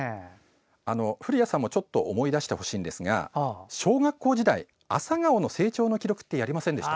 古谷さんもちょっと思い出してほしいんですが小学校時代朝顔の成長の記録ってやりませんでした？